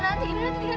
gimana dengan istri om